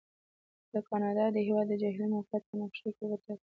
د کاناډا د هېواد د جهیلونو موقعیت په نقشې کې وټاکئ.